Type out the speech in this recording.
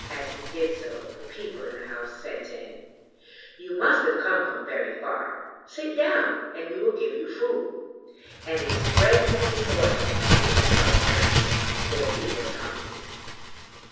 As he did so the people in the house said to him: 'You must have come from far; sit down, and we will give you food,' and they spread food before him, at which he felt glad, for he was hungry.